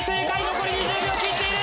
残り２０秒切っている。